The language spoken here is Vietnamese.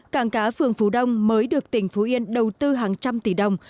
cảng cá phường phú đông mới được tỉnh phú yên đầu tư hàng trăm tỷ đồng